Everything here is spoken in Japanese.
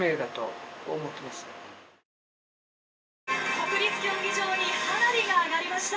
「国立競技場に花火が上がりました！」。